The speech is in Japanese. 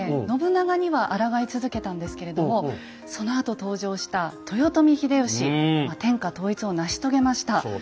信長にはあらがい続けたんですけれどもそのあと登場した豊臣秀吉天下統一を成し遂げました。